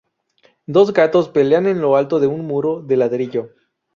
Dos gatos pelean en lo alto de un muro de ladrillo.